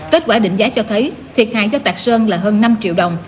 kết quả định giá cho thấy thiệt hại cho tạc sơn là hơn năm triệu đồng